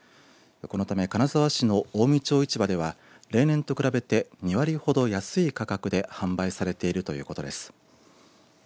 このため金沢市の近江町市場では例年と比べて２割ほど安い価格で販売されているということです。